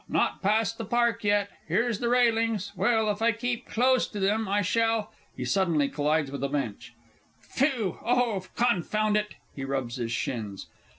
not past the park yet here's the railings! Well, if I keep close to them, I shall (He suddenly collides with a bench). Phew! Oh, confound it! (_He rubs his shins.